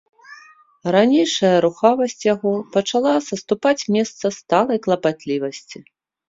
Ранейшая рухавасць яго пачала саступаць месца сталай клапатлівасці.